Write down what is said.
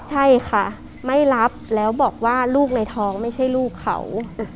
ใช่ค่ะไม่รับแล้วบอกว่าลูกในท้องไม่ใช่ลูกเขา